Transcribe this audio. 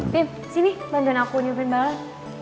bim sini bantuan aku nyuruhin balas